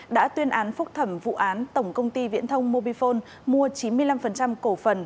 đã tuyên án phúc thẩm vụ án tổng công ty viễn thông mobifone mua chín mươi năm cổ phần